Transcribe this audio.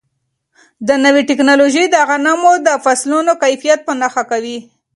دا نوې ټیکنالوژي د غنمو د فصلونو کیفیت په نښه کوي.